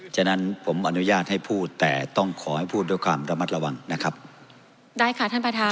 ฉะนั้นผมอนุญาตให้พูดแต่ต้องขอให้พูดด้วยความระมัดระวังนะครับได้ค่ะท่านประธาน